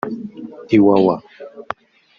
Iwawa